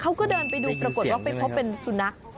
เขาก็เดินไปดูปรากฏว่าไปพบเป็นสุนัข